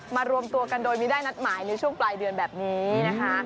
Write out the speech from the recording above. รวมตัวกันโดยไม่ได้นัดหมายในช่วงปลายเดือนแบบนี้นะคะ